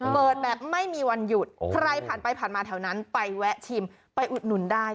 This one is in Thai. เปิดแบบไม่มีวันหยุดใครผ่านไปผ่านมาแถวนั้นไปแวะชิมไปอุดหนุนได้